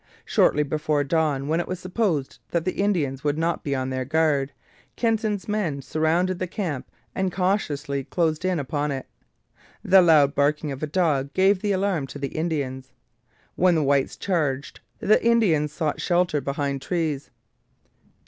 Shortly before dawn, when it was supposed that the Indians would not be on their guard, Kenton's men surrounded the camp and cautiously closed in upon it. The loud barking of a dog gave the alarm to the Indians. When the whites charged, the Indians sought shelter behind trees.